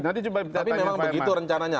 tapi memang begitu rencananya